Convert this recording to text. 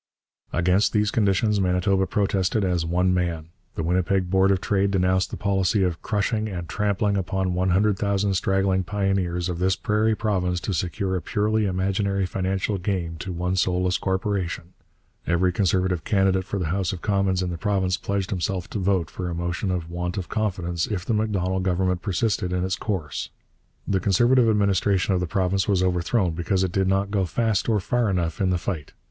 Against these conditions Manitoba protested as one man. The Winnipeg Board of Trade denounced the policy of 'crushing and trampling upon one hundred thousand struggling pioneers of this prairie province to secure a purely imaginary financial gain to one soulless corporation.' Every Conservative candidate for the House of Commons in the province pledged himself to vote for a motion of want of confidence if the Macdonald Government persisted in its course. The Conservative administration of the province was overthrown because it did not go fast or far enough in the fight.